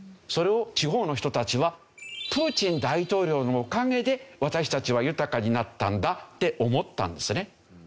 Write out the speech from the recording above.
それを地方の人たちはプーチン大統領のおかげで私たちは豊かになったんだって思ったんですね。